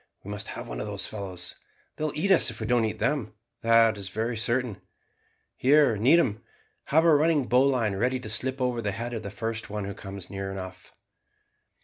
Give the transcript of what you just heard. We must have one of those fellows. They will eat us if we don't eat them, that is very certain. Here, Needham, have a running bowline ready to slip over the head of the first who comes near enough."